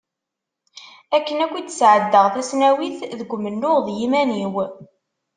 Akken akk i d-sɛeddaɣ tasnawit, deg umennuɣ d yiman-iw.